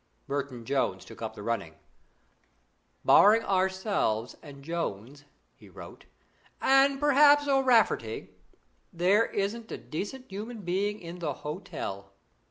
Merton Towers took up the running: "Barring ourselves and Jones," he wrote, "and perhaps O'Rafferty, there isn't a decent human being in the hotel.